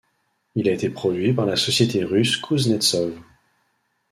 Il a été produit par la société russe Kouznetsov.